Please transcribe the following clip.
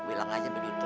bilang aja begitu